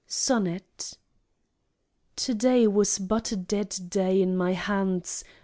Sonnet To day was but a dead day in my hands.